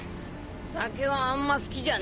酒はあんま好きじゃねえ。